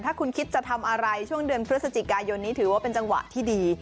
ถ้าคุณคิดจะทำอะไรช่วงเดือนพฤศจิกายนนี้ถือว่าเป็นจังหวะที่ดี